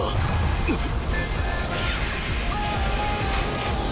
うっ！